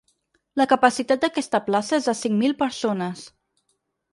La capacitat d’aquesta plaça és de cinc mil persones.